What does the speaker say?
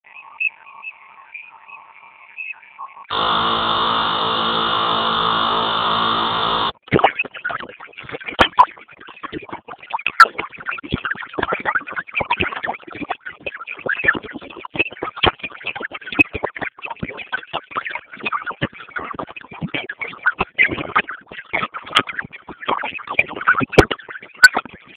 ya miti maeneo mabichi na yenye unyevupia ana tabia ya kutulia katika Sehemu